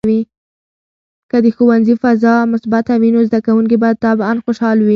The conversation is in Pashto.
که د ښوونځي فضا مثبته وي، نو زده کوونکي به طبعاً خوشحال وي.